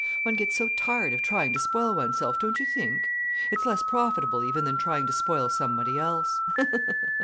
One gets so tired of trying to spoil oneself, don't you think? It's less profitable even than trying to spoil somebody else."